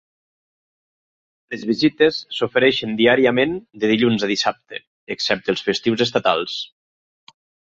Les visites s'ofereixen diàriament de dilluns a dissabte, excepte els festius estatals.